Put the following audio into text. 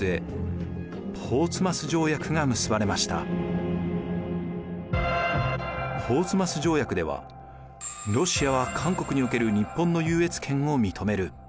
ポーツマス条約ではロシアは韓国における日本の優越権を認める。